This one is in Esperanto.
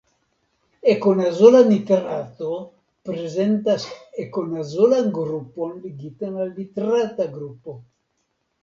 Ekonazola nitrato prezentas ekonazolan grupon ligitan al nitrata grupo.